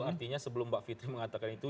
artinya sebelum mbak fitri mengatakan itu